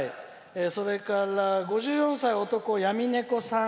それから５４歳、男、やみねこさん。